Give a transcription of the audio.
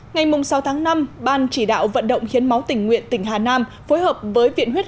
ngày sáu tháng năm ban chỉ đạo vận động hiến máu tỉnh nguyện tỉnh hà nam phối hợp với viện huyết